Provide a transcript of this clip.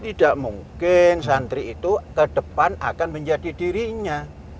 tidak mungkin santri itu ke depan akan menjadi dirinya